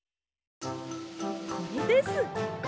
これです！